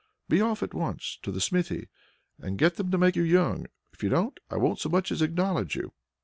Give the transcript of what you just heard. Be off at once to the smithy, and get them to make you young; if you don't, I won't so much as acknowledge you!"